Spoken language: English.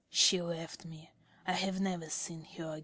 She left me.... I have never seen her again.